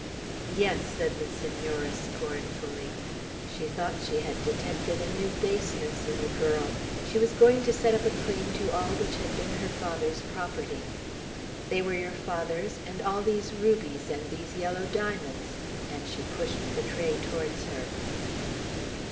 "Yes," said the Senora, scornfully. She thought she had detected a new baseness in the girl. She was going to set up a claim to all which had been her father's property. "They were your father's, and all these rubies, and these yellow diamonds;" and she pushed the tray towards her.